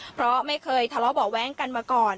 เพราะไม่เคยทะเลาะเบาะแว้งกันมาก่อน